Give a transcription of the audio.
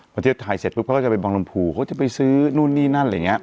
มาเที่ยวถ่ายเสร็จก็เป็นเยือนดนตรีเขาก็จะไปซื้อนู่นนี่นั้น